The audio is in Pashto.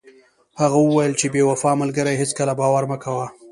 هغه وویل چې په بې وفا ملګري هیڅکله باور مه کوه.